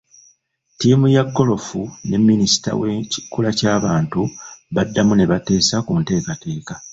Ttiimu ya goolofu ne minisita w'ekikula ky'abantu baddamu ne bateesa ku nteekateeka.